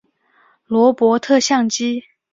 罗伯特像机。